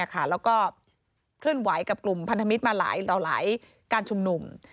แล้วก็เคลื่อนไหวกับกลุ่มพันธมิตรมาหลายการชุมนุม